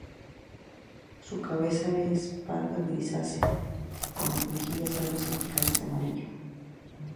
Su cabeza es pardo grisácea, con las mejillas algo salpicadas de amarillo.